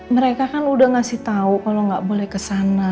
mereka kan udah ngasih tau kalo gak boleh kesana